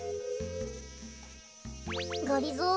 がりぞー